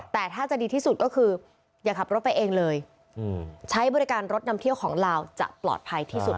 แต่ถ้าจะดีที่สุดก็คืออย่าขับรถไปเองเลยใช้บริการรถนำเที่ยวของลาวจะปลอดภัยที่สุด